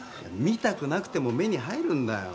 見たくなくても目に入るんだよ。